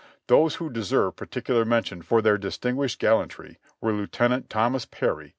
Those who de serve particular mention for their distinguished gallantry were Lieutenant Thomas Perry, Co.